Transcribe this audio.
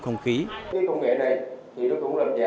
cái công nghệ này thì nó cũng làm giảm cái xử lý cái trò bay